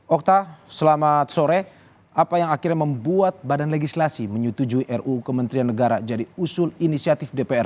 okta selamat sore apa yang akhirnya membuat badan legislasi menyetujui ruu kementerian negara jadi usul inisiatif dpr